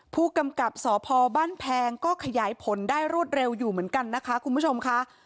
ผู้กำกับสพบ้านแพงก็ขยายผลได้รวดเร็วอยู่เหมือนกันนะคะคุณผู้ชมค่ะ